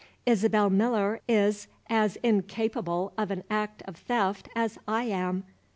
"Isabel Miller is as incapable of an act of theft as I am.